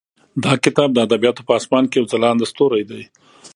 دا کتاب د ادبیاتو په اسمان کې یو ځلانده ستوری دی.